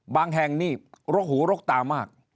บางแห่งนี่ลกหูลกตามาก